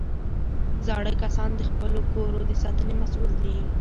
زاړه کسان د خپلو کورو د ساتنې مسؤل دي